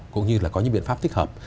cũng như là có những biện pháp thích hợp